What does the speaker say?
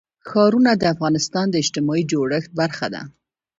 ښارونه د افغانستان د اجتماعي جوړښت برخه ده.